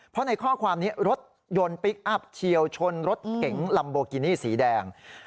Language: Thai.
เพราะในข้อความนี้รถยนต์พลิกอัพเฉียวชนรถเก๋งลัมโบกินี่สีแดง